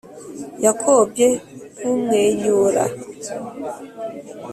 yakobye ntumwenyura